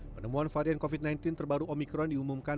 penemuan varian covid sembilan belas terbaru omikron diumumkan